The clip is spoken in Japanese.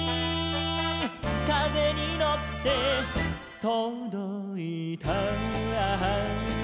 「かぜにのってとどいた」